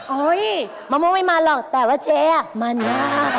มะม่วงไม่มันหรอกแต่ว่าเจ๊อ่ะมันมาก